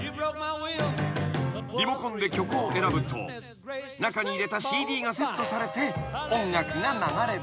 ［リモコンで曲を選ぶと中に入れたＣＤがセットされて音楽が流れる］